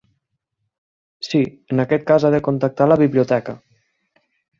Sí, en aquest cas ha de contactar la biblioteca.